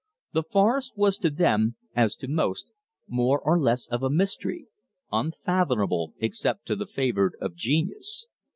The forest was to them, as to most, more or less of a mystery, unfathomable except to the favored of genius.